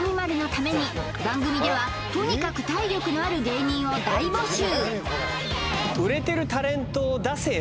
ために番組ではとにかく体力のある芸人を大募集！